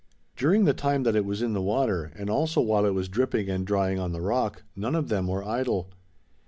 During the time that it was in the water and also while it was dripping and drying on the rock none of them were idle.